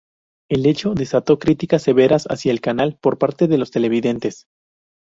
El hecho desató críticas severas hacia el canal por parte de los televidentes.